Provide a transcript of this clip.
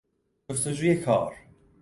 جستجوی کار